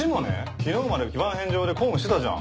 昨日まで非番返上で公務してたじゃん。